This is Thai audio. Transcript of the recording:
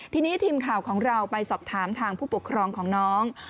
ทีนี้ทีมข่าวของเราไปสอบถามทางผู้ปกครองของน้อง